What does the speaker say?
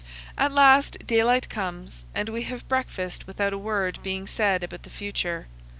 At last daylight comes and we have breakfast without a word being said about the future.